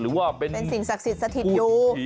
หรือว่าเป็นสิ่งศักดิ์สิทธิสถิตอยู่